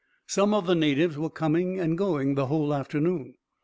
Some of the natives were coming and going the whole afternoon.